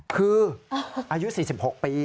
คืออายุ๔๖ปี